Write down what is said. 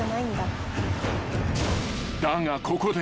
［だがここで］